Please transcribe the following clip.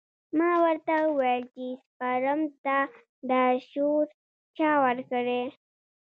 ما ورته وويل چې سپرم ته دا شعور چا ورکړى.